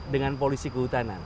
dengan polisi kehutanan